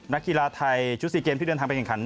นักกีฬาไทยชุด๔เกมที่เดินทางไปแข่งขัน